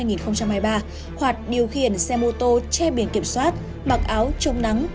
nguyễn thế hoạt điều khiển xe mô tô che biển kiểm soát mặc áo trông nắng